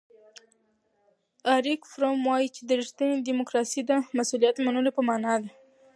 اریک فروم وایي چې ریښتینې دیموکراسي د مسؤلیت منلو په مانا ده.